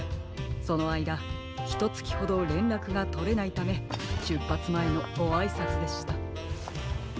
そのあいだひとつきほどれんらくがとれないためしゅっぱつまえのごあいさつでした。